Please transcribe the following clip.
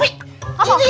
ini ikan patuh